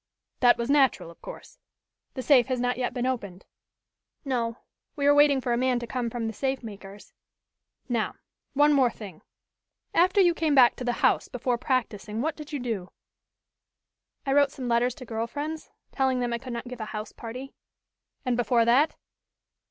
"That was natural, of course. The safe has not yet been opened?" "No, we are waiting for a man to come from the safe makers." "Now, one thing more. After you came back to the house before practicing what did you do?" "I wrote some letters to girl friends, telling them I could not give a house party." "And before that?"